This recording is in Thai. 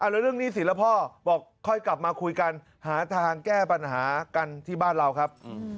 แล้วเรื่องหนี้สินแล้วพ่อบอกค่อยกลับมาคุยกันหาทางแก้ปัญหากันที่บ้านเราครับ